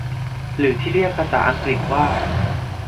หรือที่เรียกภาษาอังกฤษว่า